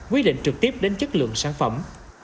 quyết định trực tiếp đến chất lượng sản phẩm